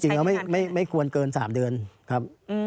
จริงแล้วไม่ควรเกิน๓เดือนครับ